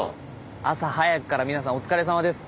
朝早くから皆さんお疲れさまです。